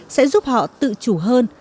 sẽ giúp họ tự chủ hơn